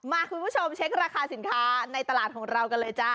คุณผู้ชมเช็คราคาสินค้าในตลาดของเรากันเลยจ้า